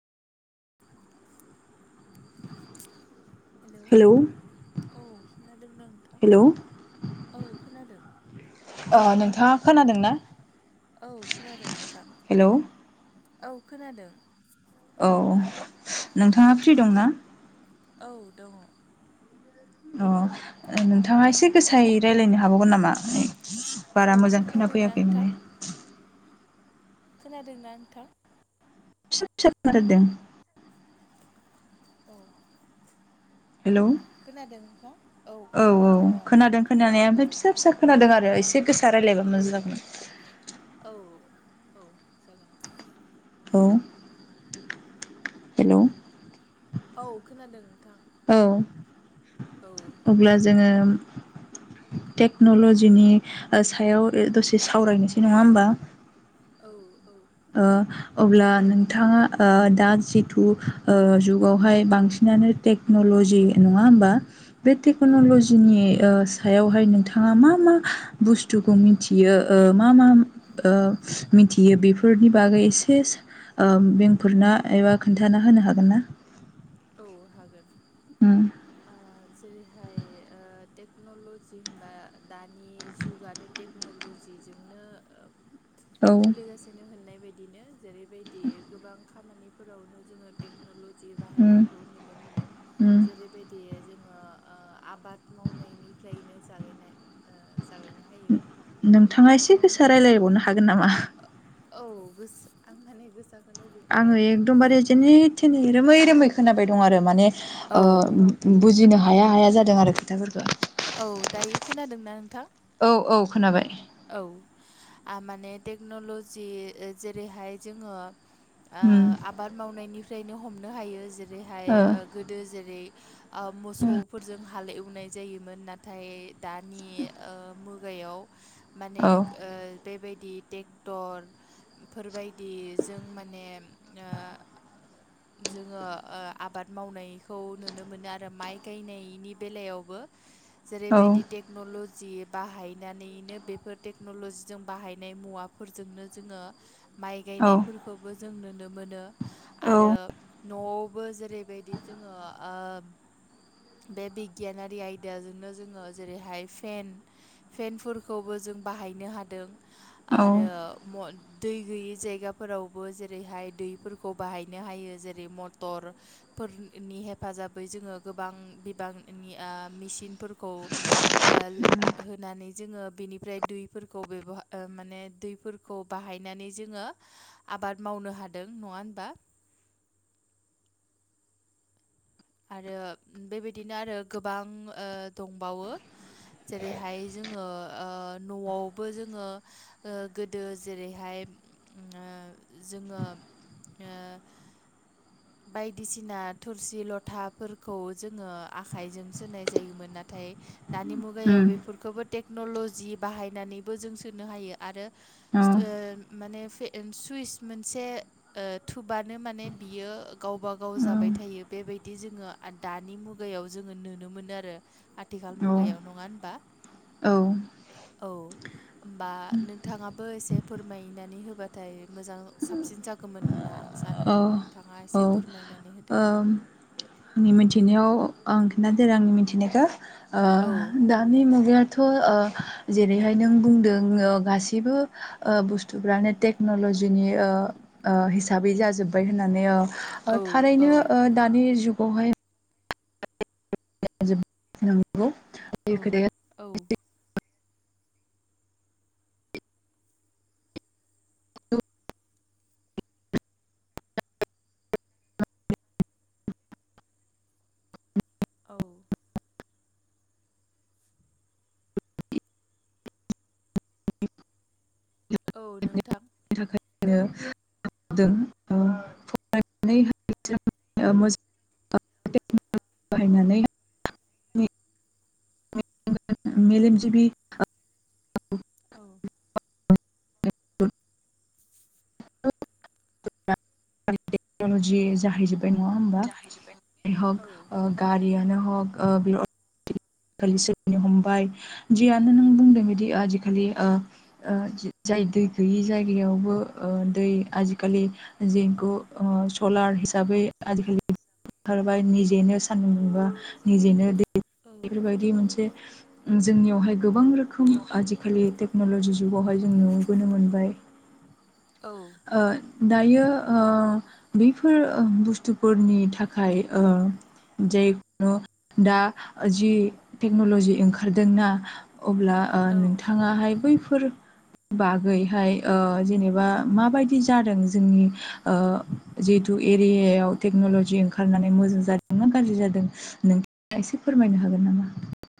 हेल' औ हेलौ खोनादों ना नोंथां? हेलौ औ खोनादों। अ नोंथाङा खोनादों ना? औ खोनादों नोंथां हेलौ औ खोनादों। औ औ नोंथाङा फ्रि दंना? औ दङ अ नोंथाङा एसे गोसायै रायज्लायनो हाबावगोन नामा? औ बारा मोजां खोनादोंना खोनाफैयाखै नोंथां माने। खोनादोंना नोंथां? स स मारदोंं। औ। हेलौ खोनादों। [inaudible] औ खोनाबाय औ थादों आं। खोनादों खोनानाया औ ओमफ्राय फिसा फिसा खोनादों आरो एसे गोसा रायज्लायबा मोजां जागौमोन। औ औ जागोन। औ हेलौ। औ खोनादों नोंथां। औ औ अब्ला जोङो। टेक्नल'जिनि ओ सायाव ओ दसे सावरायनोसै नङा होमबा। औ। औ ओ। अब्ला नोंथाङा ओ दा जिथु ओ जुगावहाय बांसिनानो टेकनल जि नङा होमबा? बे औ टेकनलजिनि ओ सायावहाय नोंथाङा मा मा बुस्थुखौ मिथियो ओ मा मा ओ मिथियो बेफो फोरनि बागै एसे ओ बेंकफोरना एबा खोन्थाना होनो हागोन ना? औ होगोन उम ओ जेरैहाय ओ दै टेक्न'ल'जि होनबा दानि जुगानो टेक्न'ल'जिजोंनो ओ औ सोलिगासिनो होननाय बायदिनो जेरैबायदि गोबां खामानि फोरावनो जोङो टेकनलजि उम बाहायनायखौ नुनो मोनो उम जेरैबायदि। जोङो ओ आबाद मावनायनिफ्रायनो जागाय जागायनो हायो। नोंथाङा आबाद एसे गोसा मावनायाव रायलायबावनो हागोन नामा? औ गोस आं माने गोसा आङो एकदमबारे जेने थेने रोमै रोमै खोनाबाय दं आरो माने ओ औ बुजिनो हाया हाया जादों आरो खोथाफोरखो। औ दायो खोनादोंना नोंथां‌? औ खोनाबाय। औ आ माने टेक्न'ल'जि जेरैहाय जोङो। ओ उम आबाद मावनायनिफ्रायनो हमनो हायो जेरैहाय ओ गोदो जेरै ओ मोसौफोरजों हाल एवनाय जायोमोन नाथाय दानि ओ मुगाय याव माने औ ओ बेबाय दि ट्रेक्टर फोरबायदि जों माने ओ जोङो ओ आबाद मावनायखौ नुनो मोनो आरो माइ गायनायनि बेलायावबो। औ जेरैबायदि टेक्नलजि बाहायनानैनो बेब बेफोर टेकन'ल'जि जों बाहायनाय मुवाफोरजोंनो जोङो माइ औ गायनायफोरखौबो जोंनो नुनो मोनो। औ आरो न'आवबो जेरैबायदि जोङो ओ बे बिगियानारि आयदाजोंनो जोङो जेरैहाय फेन फेनफोरखौबो जों बाहायनो हादों औ आरो मल दै गैयि जायगाफोरावबो जेरैहाय दैफोरखौ बाहायनो हायो जेरै मटर। फोरनि हेफाजाबै जोङो गोबां बिबांनि ओ मेसिनफोरखौ ओ होनानै जोङो बेनि ओमफ्राय दैफोरखौ बेबो माने दैफोरखौ बाहायनानै जोङो आबाद मावनो हा हादों नङा होनबा? [inaudible] आरो बेबायदिनो आरो गोबां ओ दंबावो। जेरैहाय जोङो ओ न'आवबो जोङो ओ गोदो जेरैहाय। ओ जोङो ओ बायदिसिना थुरसि लथाफोरखौ जोङो आखाइजों सोनाय जायोमोन नाथाय दानि मुगायाव उम बेफोरखौबो थेक न'लजि बाहायनानैबो जों सोनो हायो आरो औ ओ माने फे एम सुइस। मोनसे ओ थुबानो माने बियो। गावबा गाव जाबाय थायो बेबायदि जोङो आ दानि मुगायाव जोङो नोनो मोनो आरो हा थिखाल मुगायाव नङा होनबा? औ औ। होमबा नोंथाङाबो एसे फोरमायनानै होबाथाय मोजां साबसिन जागोमोन होनना सानो औ नोंथाङा औ एसे। औ ओम फोरमायनानै होदो आंनि मिथिनायाव आं खोनथासै आरो आंनि मिथिनायखो। ओ औ दानि मुगाया। थ जेरैहाय नों बुंदों ओ गासिबो ओ बुस्थुफ्रानो टेकन'ल जिनि ओ-ओ हिसाबै जा जोब्बाय होननानै। ओ औ औ थारैनो ओ दानि जुगावहाय [unintelligible] औ, खोथाया औ। औ। औ नोंथां। [unintelligible] [unintelligible] [unintelligible] [unintelligible] मेलेमजिबि [inaudible] औ। [unintelligible] [unintelligible] न'लजि जाहैजो बाय नङा होमबा औ हक गारियानो हक ओ बे आखालि सोलिनो हमबाय जियानो नों बुंदों बिदि आजिखालि ओ-ओ। जाय दै गैयि जायगायावबो ओ दै आजिखालि जेगु सलार हि साबै आजिखालि ओंखारबाय निजेनो सान्दुं मोनबा निजेनो दै। बेफोरबायदि मोनसे जोंनियावहाय गोबां रोखोम आजिखालि टे न'लजि जुगावहाय जों नुबोनो मोनबाय। ओ दायो ओ बैफोर बुस्थुफोरनि थाखाय ओ जायखुनु दा जि टेक्न'लजि ओंखारदोंना। अब्ला ओ औ नोंथाङाहाय बैफोर बागैहाय ओ जेनेबा। माबायदि जादों जोंनि ओ जिहेथु एरियायाव टेक्न'लजि ओंखारनानै मो जां जादोंना गाज्रि जादों नोंथाङा एसे फोरमायनो हागोन नामा?